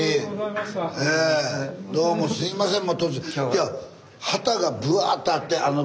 どうもすいません。